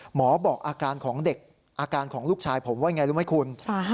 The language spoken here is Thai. บอกอาการของเด็กอาการของลูกชายผมว่าอย่างไรรู้ไหมคุณ